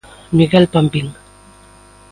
Miguel Pampín.